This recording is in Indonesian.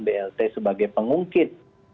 blt sebagai pengungkit